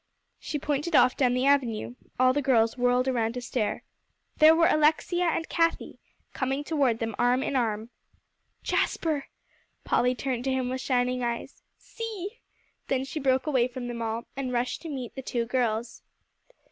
She pointed off down the avenue. All the girls whirled around to stare. There were Alexia and Cathie, coming toward them arm in arm. "Jasper" Polly turned to him with shining eyes "see!" Then she broke away from them all, and rushed to meet the two girls.